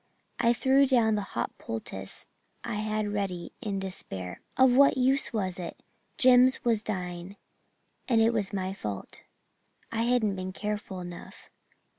I threw down the hot poultice I had ready in despair. Of what use was it? Jims was dying, and it was my fault I hadn't been careful enough!